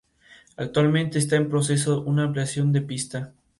Actualmente está en proceso una ampliación de pista.